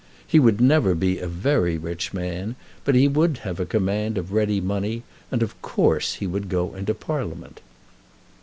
He would never be a very rich man, but he would have a command of ready money, and of course he would go into Parliament.